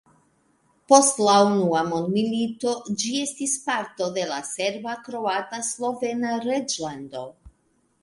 Post la unua mondmilito, ĝi estis parto de la Serba-Kroata-Slovena Reĝlando.